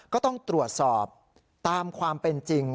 ก็ต้องตรวจสอบตามความเป็นจริง